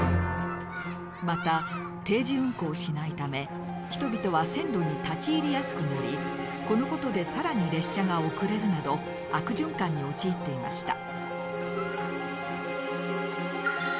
また定時運行しないため人々は線路に立ち入りやすくなりこの事で更に列車が遅れるなど悪循環に陥っていました。